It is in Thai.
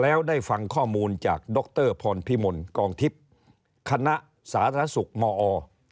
แล้วได้ฟังข้อมูลจากดรพรพิมลกองทิพย์คณะสาธารณสุขมอ